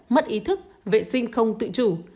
mất ý thức vệ sinh không tự chủ